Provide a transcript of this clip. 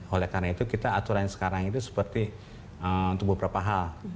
oleh karena itu kita aturan sekarang itu seperti untuk beberapa hal